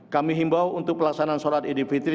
kami himbau untuk pelaksanaan sholat idul fitri